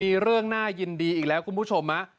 มีเรื่องน่ายินดีอีกแล้วคุณผู้ชม